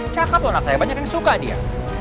cakep loh anak saya banyak yang suka dia